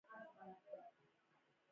ځنګلونه د اکسیجن تولیدولو لپاره مهم دي